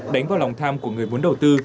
đánh vào lòng tham của người muốn đầu tư